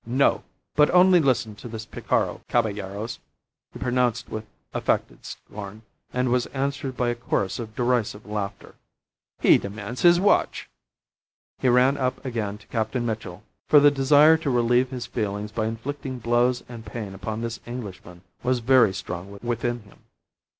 "No! But only listen to this picaro, caballeros," he pronounced with affected scorn, and was answered by a chorus of derisive laughter. "He demands his watch!" ... He ran up again to Captain Mitchell, for the desire to relieve his feelings by inflicting blows and pain upon this Englishman was very strong within him.